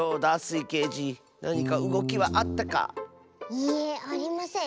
いいえありません。